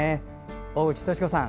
大内俊子さん